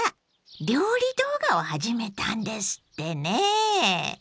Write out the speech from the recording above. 料理動画を始めたんですってね。